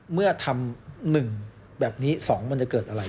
เมื่อทำหนึ่งแบบนี้สองมันจะเกิดอะไร